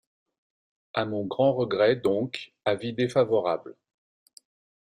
À mon grand regret, donc, avis défavorable.